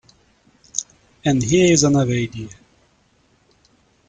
And here's another idea.